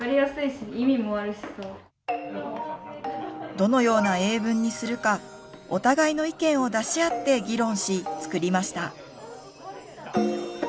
どのような英文にするかお互いの意見を出し合って議論し作りました。